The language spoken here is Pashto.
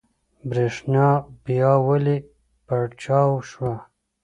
برېښنا بيا ولې پرچاو شوه؟